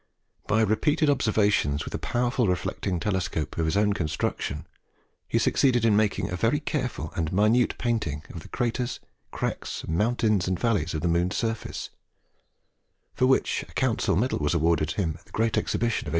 By repeated observations with a powerful reflecting telescope of his own construction, he succeeded in making a very careful and minute painting of the craters, cracks, mountains, and valleys in the moon's surface, for which a Council Medal was awarded him at the Great Exhibition of 1851.